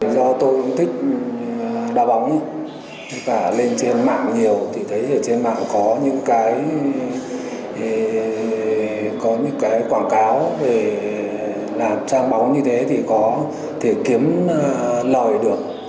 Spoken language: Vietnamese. do tôi thích đa bóng lên trên mạng nhiều thì thấy trên mạng có những quảng cáo về làm trang bóng như thế thì kiếm lời được